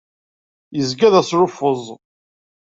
Yezga d asluffeẓ.